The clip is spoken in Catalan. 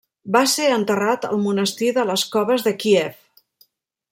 Va ser enterrat al Monestir de les Coves de Kíev.